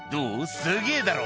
すげぇだろ」